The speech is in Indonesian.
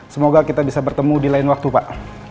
semoga kita bisa bertemu di lain waktu pak